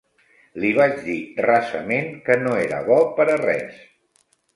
Li vaig dir rasament que no era bo per a res.